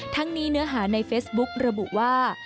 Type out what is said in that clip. ทั้งนี้เนื้อหาในเฟซบุ๊กระบุว่า